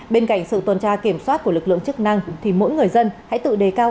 bên cạnh sự tuần tra kiểm soát của lực lượng chức năng thì mỗi người dân hãy tự đề cao